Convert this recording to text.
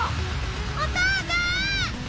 お父さん！